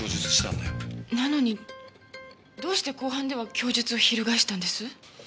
なのにどうして公判では供述を翻したんです？